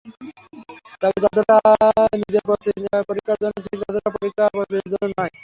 তবে যতটা নিজের প্রস্তুতি পরীক্ষার জন্য, ঠিক ততটা পরীক্ষা প্রস্তুতির জন্য নয়।